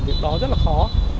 điều đó rất là khó